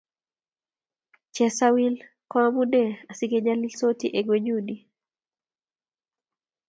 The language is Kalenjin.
Chesawil ko amune asike nyalilsoti eng' ng'wenyuni